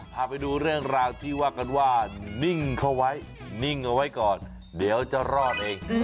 พาไปดูเรื่องราวที่ว่ากันว่านิ่งเข้าไว้นิ่งเอาไว้ก่อนเดี๋ยวจะรอดเอง